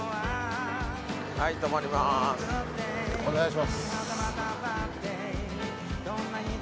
お願いします。